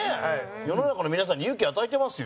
世の中の皆さんに勇気を与えてますよ。